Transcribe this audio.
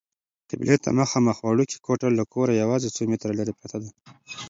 قبلې ته مخامخ وړوکې کوټه له کوره یوازې څو متره لیرې پرته ده.